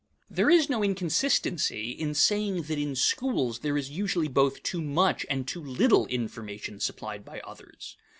There is no inconsistency in saying that in schools there is usually both too much and too little information supplied by others.